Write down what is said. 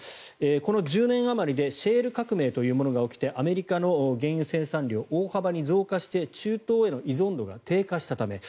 この１０年あまりでシェール革命というものが起きてアメリカの原油生産量が大幅に増加して中東への依存度が低下したため。